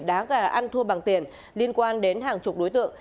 đá gà ăn thua bằng tiền liên quan đến hàng chục đối tượng